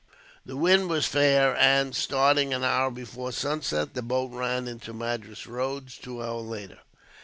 The wind was fair and, starting an hour before sunset, the boat ran into Madras roads two hours later.